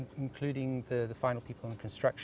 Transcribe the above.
termasuk orang terakhir di konstruksi